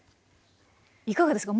いかがですか？